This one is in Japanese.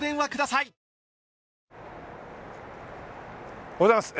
おはようございます。